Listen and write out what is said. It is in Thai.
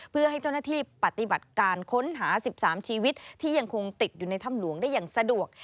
เพื่อให้เจ้าหน้าที่ปฏิบัติการค้นหา๑๓ชีวิตที่ยังคงติดอยู่ในถ้ำหลวงได้อย่างสะดวก